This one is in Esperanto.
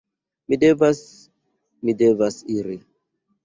Mi devas, mi devas iri!